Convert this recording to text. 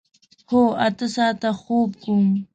هو، اته ساعته خوب کوم